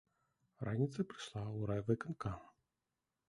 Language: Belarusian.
Раніцай прыйшла ў райвыканкам.